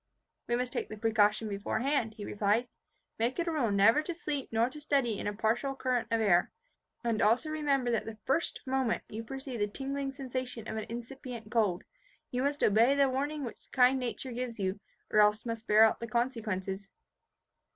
"We must take the precaution beforehand," he replied. "Make it a rule never to sleep nor to study in a partial current of air; and also remember that the first moment you perceive the tingling sensation of an incipient cold, you must obey the warning which kind nature gives you or else must bear the consequences."